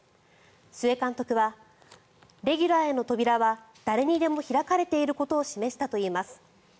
須江監督はレギュラーへの扉は誰にでも開かれていることを示したといいます。